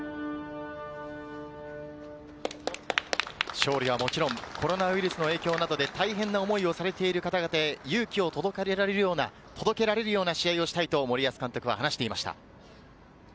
勝利はもちろん、コロナウイルスの影響などで大変な思いをされている方々へ勇気を届けられるような試合をしたいと森保監督は話していました。